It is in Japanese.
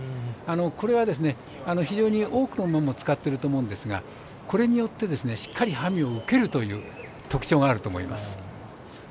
これは、非常に多くの馬も使っていると思うんですがこれによって、しっかりハミを受けるという特徴があると思います。